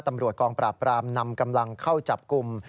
ตำรวจกองปราบบุกรวบโชเฟอร์แท็กซี่นำกำลังเข้าจับกลุ่ม